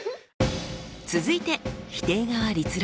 続いて否定側立論。